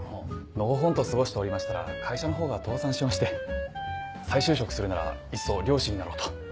のほほんと過ごしておりましたら会社のほうが倒産しまして再就職するならいっそ漁師になろうと。